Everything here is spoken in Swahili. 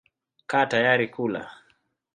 Kaa tayari kula.